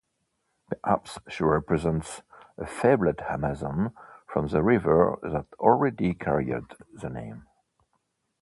Perhaps she represents a fabled Amazon from the river that already carried the name.